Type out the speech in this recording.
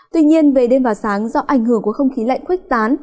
tuy nhiên về đêm và sáng do ảnh hưởng của không khí lạnh khuếch tán